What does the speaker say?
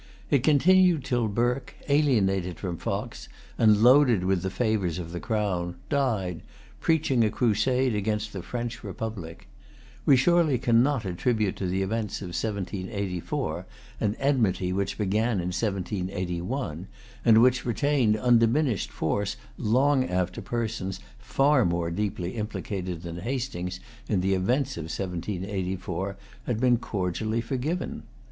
It continued till Burke, alienated from Fox, and loaded with the favors of the Crown, died, preaching a crusade against the French republic. We surely cannot attribute to the events of 1784 an enmity which began in 1781, and which retained undiminished force long after persons far more deeply implicated than Hastings in the events of 1784 had been cordially forgiven.